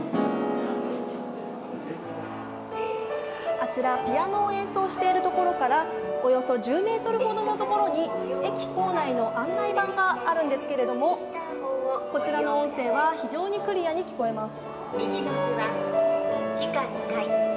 あちら、ピアノを演奏しているところから、およそ１０ｍほどのところに駅構内の案内板があるんですけれども、こちらの音声は非常にクリアに聞こえます。